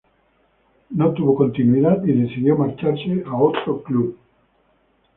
No tuvo continuidad y decidió marcharse a otro club.